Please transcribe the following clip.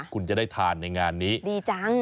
คุณจะได้ทานในงานนี้ดีจัง